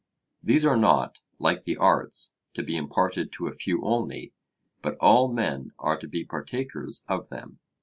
These are not, like the arts, to be imparted to a few only, but all men are to be partakers of them.